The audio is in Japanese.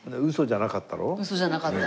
ウソじゃなかった。